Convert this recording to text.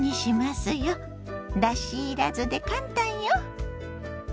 だしいらずで簡単よ！